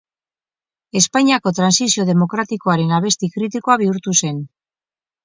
Espainiako Trantsizio Demokratikoaren abesti kritikoa bihurtu zen.